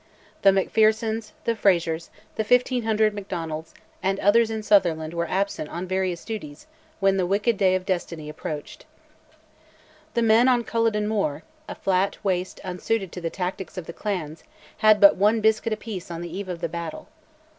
The Macphersons, the Frazers, the 1500 Macdonalds, and others in Sutherland were absent on various duties when "the wicked day of destiny" approached. The men on Culloden Moor, a flat waste unsuited to the tactics of the clans, had but one biscuit apiece on the eve of the battle.